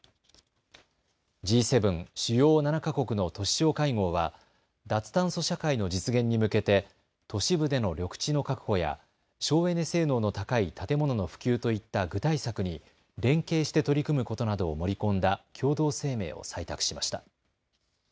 Ｇ７・主要７か国の都市相会合は脱炭素社会の実現に向けて都市部での緑地の確保や省エネ性能の高い建物の普及といった具体策に連携して取り組むことなどを盛り込んだ共同声明を採択しました。